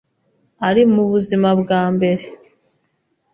ari mubuzima bwambere.